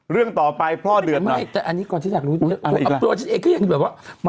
เรื่องต่อไปพ่อเดือบ